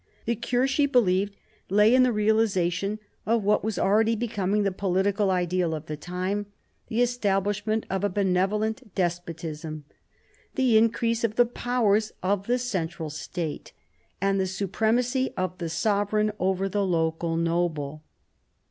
The cure, she believed, lay in the realisation of what was already 1748 57 THE EARLY REFORMS 67 becoming the political ideal of the time, — the establish ment of a benevolent despotism, the increase of the V powers of the central state, and the supremacy of the sovereign over the local noble.